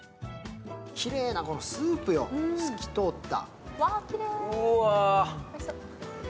きれいなスープよ、透き通った。